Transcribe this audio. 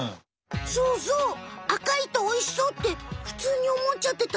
そうそう赤いとおいしそうってふつうにおもっちゃってた。